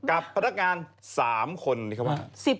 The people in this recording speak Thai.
กับพันธการ๓คนนี่ครับ